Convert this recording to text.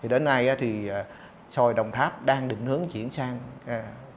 đến nay thì xoài đồng tháp đang định hướng chuyển sang xây dựng